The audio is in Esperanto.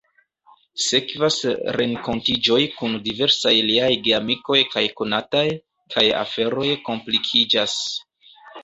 Sekvas renkontiĝoj kun diversaj liaj geamikoj kaj konatoj, kaj aferoj komplikiĝas.